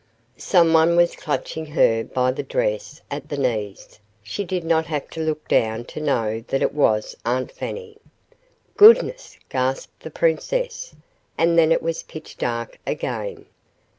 Someone was clutching her by the dress at the knees. She did not have to look down to know that it was Aunt Fanny. "Goodness!" gasped the princess, and then it was pitch dark again.